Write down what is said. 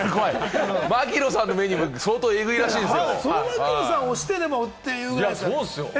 槙野さんのメニュー、相当えぐいらしいですよ。